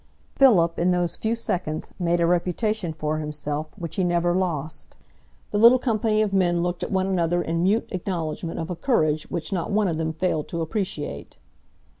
Philip in those few seconds made a reputation for himself which he never lost. The little company of men looked at one another in mute acknowledgment of a courage which not one of them failed to appreciate.